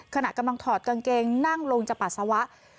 ขณะกำลังถอดกางเกงนั่งลงจากปัสสาวะ